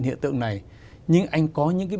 hiện tượng này nhưng anh có những cái